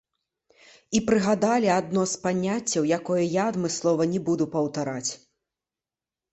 І прыгадалі адно з паняццяў, якое я адмыслова не буду паўтараць.